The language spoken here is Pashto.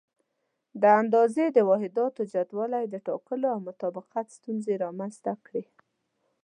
د اندازې د واحداتو زیاتوالي د ټاکلو او مطابقت ستونزې رامنځته کړې.